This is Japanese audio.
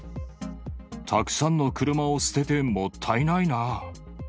たくさんの車を捨ててもったいないなぁ。